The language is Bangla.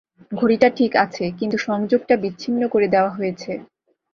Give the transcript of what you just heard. ঘড়িটা ঠিক আছে, কিন্তু সংযোগটা বিচ্ছিন্ন করে দেওয়া হয়েছে।